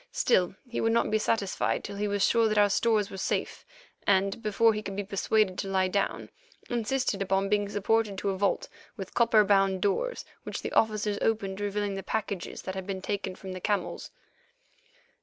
Still, he would not be satisfied till he was sure that our stores were safe, and, before he could be persuaded to lie down, insisted upon being supported to a vault with copper bound doors, which the officers opened, revealing the packages that had been taken from the camels.